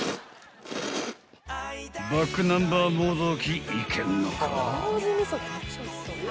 ［ｂａｃｋｎｕｍｂｅｒもどきいけんのか？］